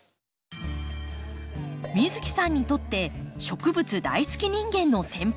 美月さんにとって植物大好き人間の先輩